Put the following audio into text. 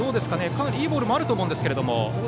かなりいいボールもあると思うんですけども。